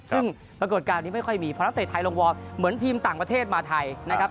ซึ่งปรากฏการณ์นี้ไม่ค่อยมีเพราะนักเตะไทยลงวอร์มเหมือนทีมต่างประเทศมาไทยนะครับ